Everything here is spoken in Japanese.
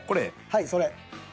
はいそれ。